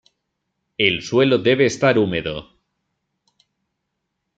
El suelo debe estar húmedo.